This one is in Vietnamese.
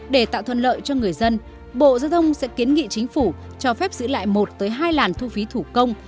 để tạo thuận lợi cho người dân bộ giao thông sẽ kiến nghị chính phủ cho phép giữ lại một hai làn thu phí thủ công